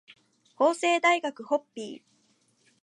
法政大学ホッピー